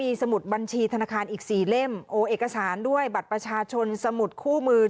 มีสมุดบัญชีธนาคารอีกสี่เล่มโอ้เอกสารด้วยบัตรประชาชนสมุดคู่มือ